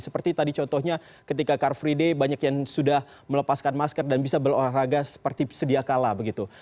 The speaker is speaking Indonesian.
seperti tadi contohnya ketika car free day banyak yang sudah melepaskan masker dan bisa berolahraga seperti sedia kala begitu